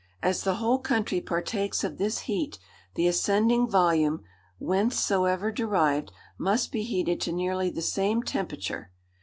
As the whole country partakes of this heat, the ascending volume, whencesoever derived, must be heated to nearly the same temperature.